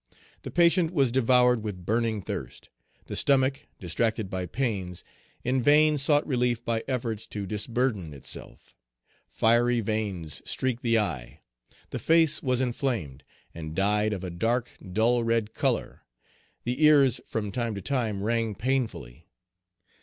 The patient was devoured with burning thirst. The stomach, distracted by pains, in vain sought relief by efforts to disburden itself. Fiery veins streaked Page 219 the eye; the face was inflamed, and dyed of a dark, dull red color; the ears from time to time rang painfully.